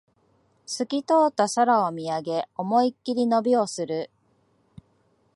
すき通った空を見上げ、思いっきり伸びをする